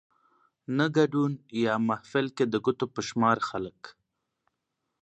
نه ګدون يا محفل کې د ګوتو په شمار خلک